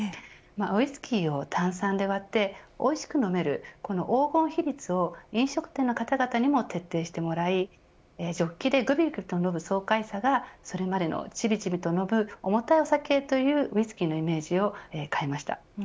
ウイスキーを炭酸で割っておいしく飲める、黄金比率を飲食店の方々にも徹底してもらいジョッキでぐびぐびと飲む爽快さがそれまでの、ちびちびと飲む重たいお酒というウイスキーのイメージを変えました。